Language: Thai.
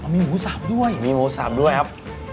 มีหมูสับด้วยมีหมูสับด้วยครับ